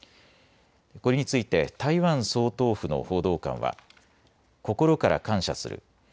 これについて台湾総統府の報道官は心から感謝する。